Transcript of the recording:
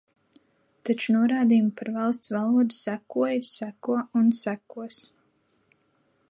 Taču norādījumi par Valsts valodu sekoja, seko un sekos.